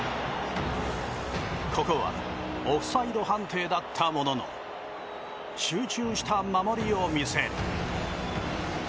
ここはオフサイド判定だったものの集中した守りを見せる。